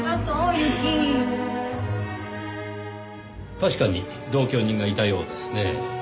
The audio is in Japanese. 確かに同居人がいたようですねぇ。